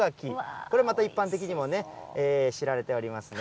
これまた一般的にも知られておりますね。